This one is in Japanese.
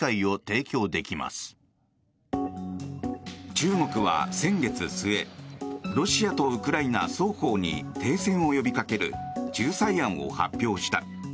中国は先月末ロシアとウクライナ双方に停戦を呼びかける仲裁案を発表した。